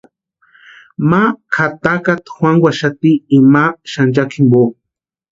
Ma kʼatakata juankuxati imani xanchakini jimpo.